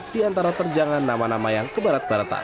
di antara terjangan nama nama yang ke baratan